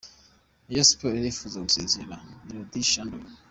Rayon Sports irifuza gusezerera Mamelodi Sundowns.